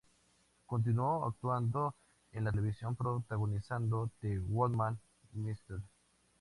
Continuó actuando en la televisión, protagonizando "That Woman", "Mr.